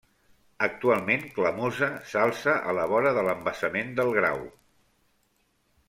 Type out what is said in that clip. Actualment Clamosa s'alça a la vora de l'embassament del Grau.